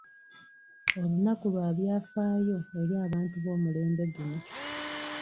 Olunaku lwa byafaayo eri abantu b'omulembe guno.